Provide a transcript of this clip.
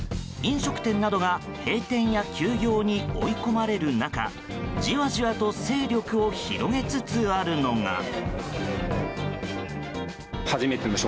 飲食店などが閉店や休業に追い込まれる中じわじわと勢力を広げつつあるのが。